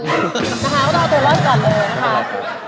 นะคะก็ตอบตัวเล่นก่อนเลยนะคะ